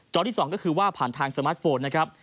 ที่๒ก็คือว่าผ่านทางสมาร์ทโฟนนะครับ